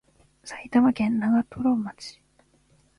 埼玉県長瀞町